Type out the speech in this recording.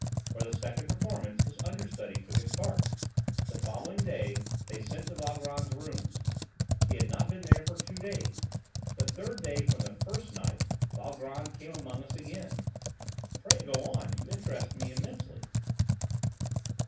For the second performance, his understudy took his part. The following day they sent to Valgrand's rooms; he had not been there for two days. The third day from the 'first night' Valgrand came among us again." "Pray go on, you interest me immensely!"